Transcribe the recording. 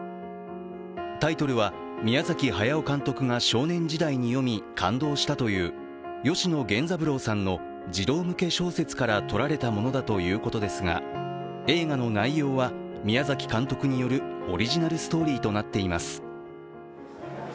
タイトルは、宮崎駿監督が少年時代に読み感動したという吉野源三郎さんの児童向け小説から取られたということですが、映画の内容は宮崎監督によるオリジナルストーリーとなっています。